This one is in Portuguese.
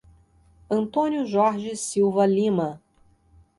Antônio Jorge Silva Lima